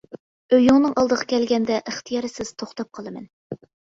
ئۆيۈڭنىڭ ئالدىغا كەلگەندە ئىختىيارسىز توختاپ قالىمەن.